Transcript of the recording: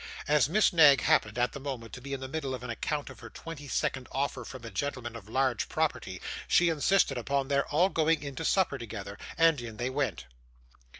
As Miss Knag happened, at the moment, to be in the middle of an account of her twenty second offer from a gentleman of large property, she insisted upon their all going in to supper together; and in they went.